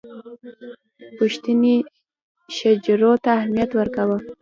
پښتني شجرو ته اهمیت ورکړو.